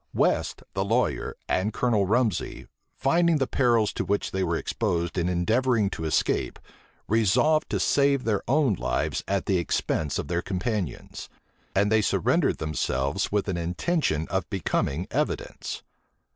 West, the lawyer, and Colonel Rumsey, finding the perils to which they were exposed in endeavoring to escape, resolved to save their own lives at the expense of their companions; and they surrendered themselves with an intention of becoming evidence.